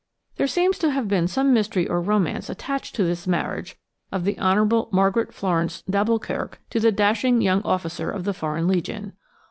There seems to have been some mystery or romance attached to this marriage of the Honourable Margaret Florence d'Alboukirk to the dashing young officer of the Foreign Legion.